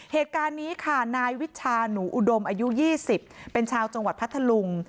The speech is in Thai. เหตุการณ์นี้ค่ะนายวิชาหนูอุดมอายุ๒๐เป็นชาวจังหวัดพัทธลุง